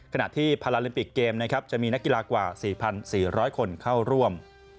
ขณะที่พาราลิมปิกเกมนะครับจะมีนักกีฬากว่า๔๔๐๐คนเข้าร่วม